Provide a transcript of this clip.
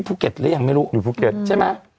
พู่เกร็ดหรืออย่างไม่รู้นะใช่ไหม